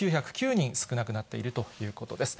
９０９人少なくなっているということです。